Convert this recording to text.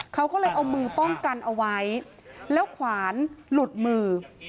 เขาก็เลยเอามือป้องกันเอาไว้แล้วขวานหลุดมือ